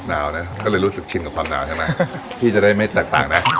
หนาวนะก็เลยรู้สึกชินกับความหนาวใช่ไหมที่จะได้ไม่แตกต่างนะ